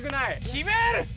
決める！